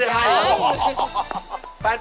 แผ่นใต้เลขเป็น